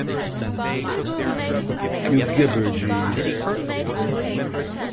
You gibber, Jeeves.